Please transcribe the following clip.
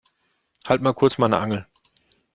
Halt mal kurz meine Angel.